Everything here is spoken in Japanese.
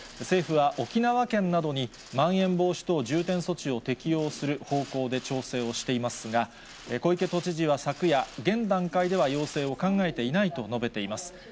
政府は、沖縄県などにまん延防止等重点措置を適用する方向で調整をしていますが、小池都知事は昨夜、現段階では要請を考えていないと述べています。